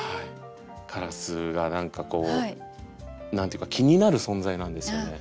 カラスが何かこう何て言うか気になる存在なんですよね。